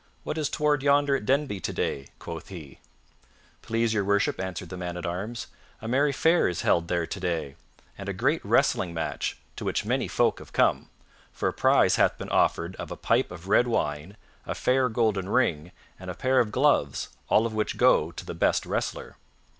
"What is toward yonder at Denby today?" quoth he. "Please Your Worship," answered the man at arms, "a merry fair is held there today, and a great wrestling match, to which many folk have come, for a prize hath been offered of a pipe of red wine, a fair golden ring, and a pair of gloves, all of which go to the best wrestler."